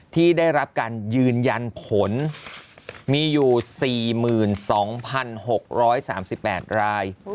ที่ได้รับการยืนยันผลมีอยู่๔๒๖๓๘ราย